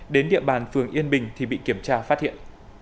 đến địa bàn phường yên bình thì bị kiểm tra phát hiện